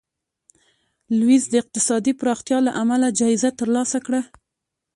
لویس د اقتصادي پراختیا له امله جایزه ترلاسه کړه.